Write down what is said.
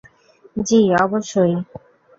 জি, অবশ্যই।